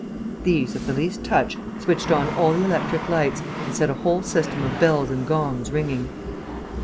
These, at the least touch, switched on all the electric lights and set a whole system of bells and gongs ringing.